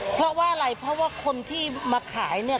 เพราะว่าอะไรเพราะว่าคนที่มาขายเนี่ย